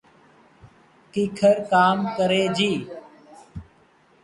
ڪيکر ڪآم ڪري جي